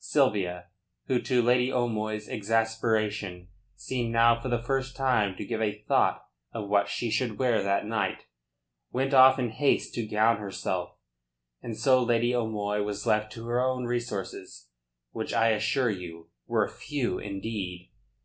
Sylvia, who to Lady O'Moy's exasperation seemed now for the first time to give a thought to what she should wear that night, went off in haste to gown herself, and so Lady O'Moy was left to her own resources which I assure you were few indeed.